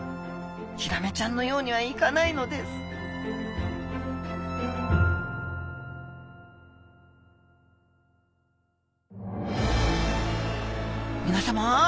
ヒラメちゃんのようにはいかないのですみなさま！